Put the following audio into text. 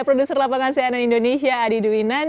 producer lapangan sehat dan indonesia adi duinan